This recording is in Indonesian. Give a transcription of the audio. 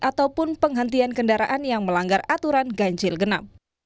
ataupun penghentian kendaraan yang melanggar aturan ganjil genap